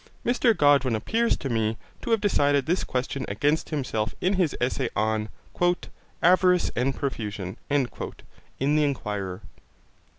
Mr Godwin appears to me to have decided this question against himself in his essay on 'Avarice and Profusion' in the Enquirer.